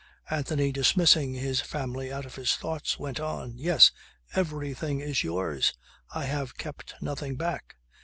Anthony dismissing his family out of his thoughts went on: "Yes. Everything is yours. I have kept nothing back.